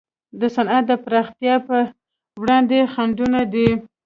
د صنعت د پراختیا پر وړاندې خنډونه دي.